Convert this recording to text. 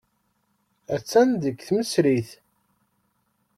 Attan deg tmesrit.